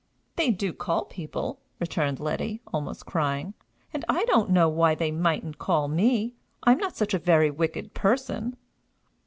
"They do call people," returned Letty, almost crying; "and I don't know why they mightn't call me. I'm not such a very wicked person!"